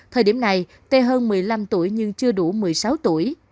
thời điểm này tê hơn một mươi năm tuổi nhưng chưa đủ một mươi sáu tuổi